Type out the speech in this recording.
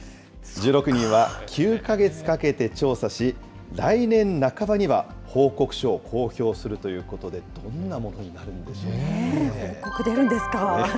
１６人は９か月かけて調査し、来年半ばには報告書を公表するということで、どんなふうになるんでしょうかね。